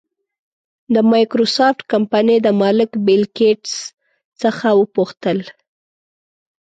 د مایکروسافټ کمپنۍ د مالک بېل ګېټس څخه وپوښتل.